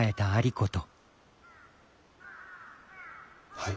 はい。